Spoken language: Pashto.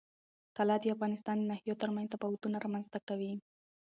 طلا د افغانستان د ناحیو ترمنځ تفاوتونه رامنځ ته کوي.